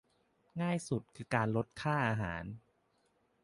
ง่ายสุดคือลดค่าอาหาร